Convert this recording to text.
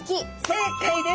正解です。